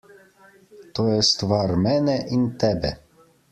To je stvar mene in tebe.